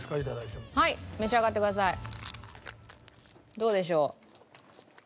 どうでしょう？